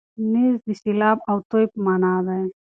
نیز د سېلاب او توی په مانا دی.